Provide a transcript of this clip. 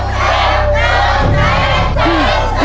ซึ่งเป็นคำตอบที่